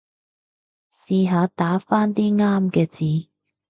試下打返啲啱嘅字